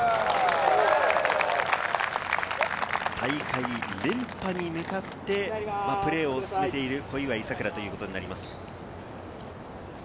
大会連覇に向かってプレーを進めている小祝さくらということになります。